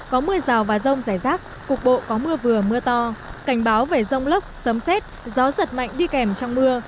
có mưa vừa mưa to cảnh báo về rông lốc xấm xét gió giật mạnh đi kèm trong mưa